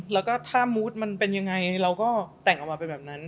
แล้วก็ถ้ามูธมันเป็นยังไงเราก็แต่งออกมาเป็นแบบนั้น